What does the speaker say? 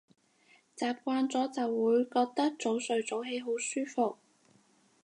習慣咗就會覺得早睡早起好舒服